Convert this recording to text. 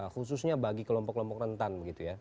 khususnya bagi kelompok kelompok rentan